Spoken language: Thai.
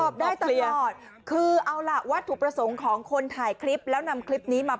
ได้ตลอดคือเอาล่ะวัตถุประสงค์ของคนถ่ายคลิปแล้วนำคลิปนี้มา